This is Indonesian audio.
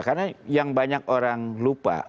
karena yang banyak orang lupa